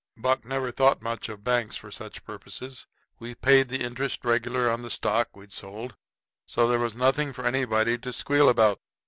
Buck never thought much of banks for such purposes. We paid the interest regular on the stock we'd sold, so there was nothing for anybody to squeal about.